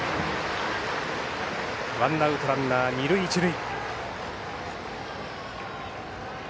ワンアウトランナー、二塁一塁。